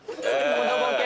ものボケ。